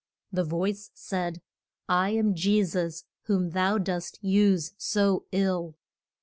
The voice said, I am Je sus, whom thou dost use so ill.